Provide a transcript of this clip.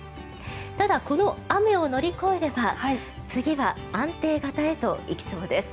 ただ、この雨を乗り越えれば次は安定型へと行きそうです。